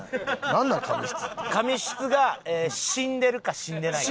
髪質が死んでるか死んでないか。